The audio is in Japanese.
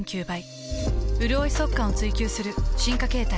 うるおい速乾を追求する進化形態。